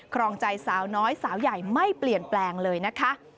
ครองใจสาวน้อยสาวใหญ่ไม่เปลี่ยนแปลงเลยนะคะ